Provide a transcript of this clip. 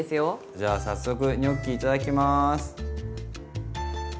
じゃあ早速ニョッキいただきます。